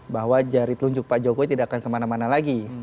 bahwa jari telunjuk pak jokowi tidak akan kemana mana lagi